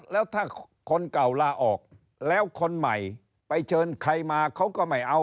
แล้วถ้าคนเก่าลาออกแล้วคนใหม่ไปเชิญใครมาเขาก็ไม่เอา